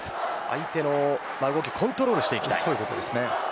相手の動きをコントロールしたいということです。